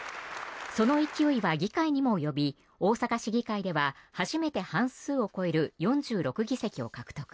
その勢いは議会にも及び大阪市議会では初めて半数を超える４６議席を獲得。